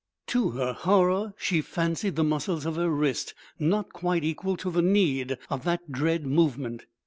To her horror she fancied the muscles of her wrist not quite equal to the need of that dread movement.